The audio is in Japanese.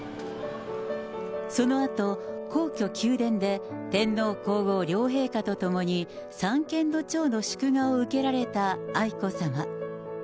そのあと、皇居・宮殿で天皇皇后両陛下と共に三権の長の祝賀を受けられた愛子さま。